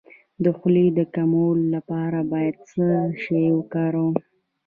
د خولې د کمولو لپاره باید څه شی وکاروم؟